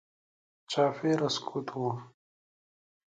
چاپېره سکوت و.